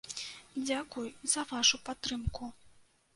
Дзякуй за вашу падтрымку!